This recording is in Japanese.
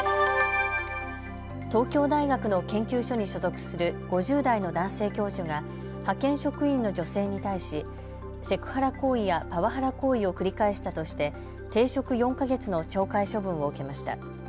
東京大学の研究所に所属する５０代の男性教授が派遣職員の女性に対しセクハラ行為やパワハラ行為を繰り返したとして停職４か月の懲戒処分を受けました。